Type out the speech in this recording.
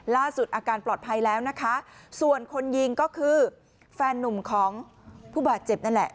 ล่าสุดอาการปลอดภัยแล้วนะคะส่วนคนยิงก็คือแฟนนุ่มของผู้บาดเจ็บนั่นแหละ